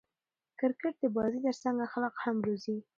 کرکټ د بازي ترڅنګ اخلاق هم روزي.